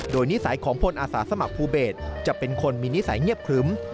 โดยนิสัยของพลอาสาสมัครภูเบศจะเป็นคนมีนิสัยเงียบครึ้ม